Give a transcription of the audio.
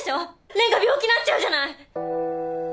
蓮が病気なっちゃうじゃない！